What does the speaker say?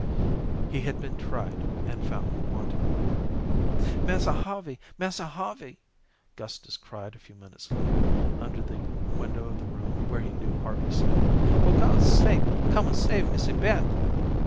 He had been tried and found wanting. "Massa Harvey, Massa Harvey," Gustus cried a few minutes later, under the window of the room where he knew Harvey slept. "For God's sake, come an' save Missy Beth."